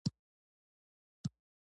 ـ زه ستړى ته ناراضي.